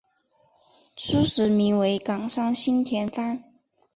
初时名为冈山新田藩。